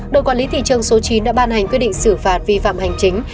đội quản lý thị trường số chín đã ban hành quyết định xử phạt vi phạm hành chính